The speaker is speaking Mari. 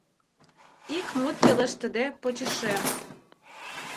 Ик мут пелештыде почешем!